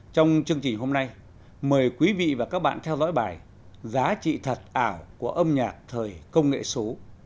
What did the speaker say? trong chương trình hôm nay mời quý vị và các bạn theo dõi bài giá trị thật ảo của âm nhạc thời công nghệ số